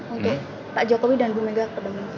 untuk pak jokowi dan bu megah kemudian